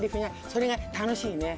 それが楽しいね。